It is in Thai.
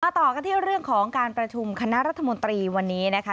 ต่อกันที่เรื่องของการประชุมคณะรัฐมนตรีวันนี้นะคะ